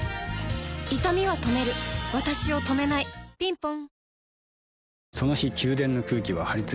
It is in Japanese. いたみは止めるわたしを止めないぴんぽん